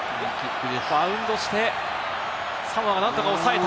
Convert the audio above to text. バウンドして、サモアがなんとか抑えた。